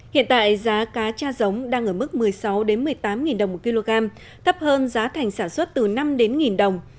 hiện tại giá cá tra giống đang ở mức một mươi sáu một mươi tám đồng một kg thấp hơn giá thành sản xuất từ năm một nghìn đồng